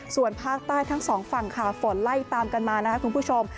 ส่วนภาคใต้ทั้งสองฝั่งค่ะฝนไล่ตามกันมานะครับคุณผู้ชม